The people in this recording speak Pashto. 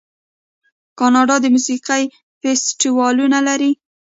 کاناډا د موسیقۍ فستیوالونه لري.